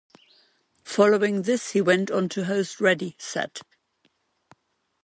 Following this he went on to host Ready.. Set...